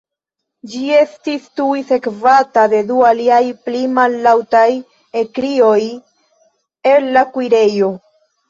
Ĝi estis tuj sekvata de du aliaj pli mallaŭtaj ekkrioj el la kuirejo.